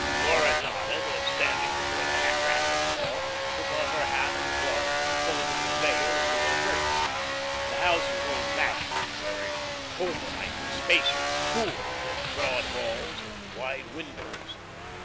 Laura nodded, and standing before the hatrack in the hall, took off her hat and gloves, and folded her veil into her purse. The house was old fashioned, very homelike and spacious, cool, with broad halls and wide windows.